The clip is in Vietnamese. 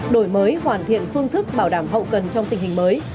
đổi mới hoàn thiện phương thức bảo đảm hậu cần trong tình hình mới